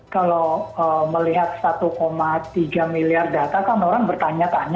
kalau melihat satu tiga miliar data kan orang bertanya tanya